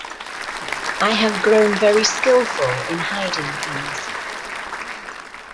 I have grown very skilful in hiding things.